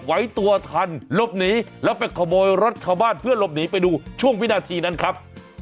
ไว้ตัวทันลบหนีแล้วไปขโมยรถชาวบ้านเพื่อหลบหนีไปดูช่วงวินาทีนั้นครับ